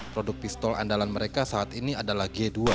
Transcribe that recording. produk pistol andalan mereka saat ini adalah g dua